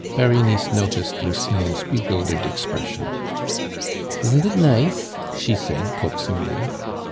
Berenice noticed Lucien's bewildered expression. "Isn't it nice?" she said coaxingly.